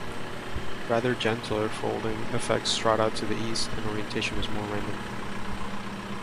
Rather gentler folding affects strata to the east and the orientation is more random.